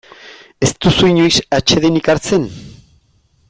Ez duzu inoiz atsedenik hartzen?